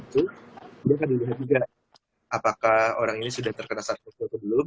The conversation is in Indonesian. kemudian juga apakah orang ini sudah terkena sars cov dua atau belum